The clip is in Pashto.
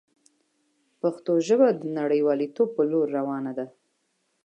پښتو ژبه د نړیوالتوب په لور روانه ده.